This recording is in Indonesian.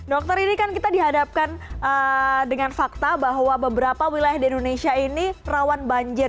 dokter ini kan kita dihadapkan dengan fakta bahwa beberapa wilayah di indonesia ini rawan banjir